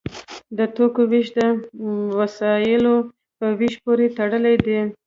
د توکو ویش د وسایلو په ویش پورې تړلی دی.